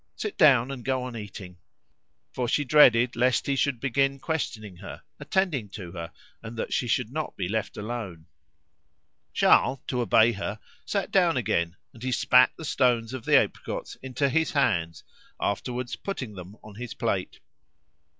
Sit down and go on eating." For she dreaded lest he should begin questioning her, attending to her, that she should not be left alone. Charles, to obey her, sat down again, and he spat the stones of the apricots into his hands, afterwards putting them on his plate.